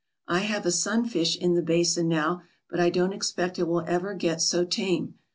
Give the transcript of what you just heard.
I have a sunfish in the basin now, but I don't expect it will ever get so tame.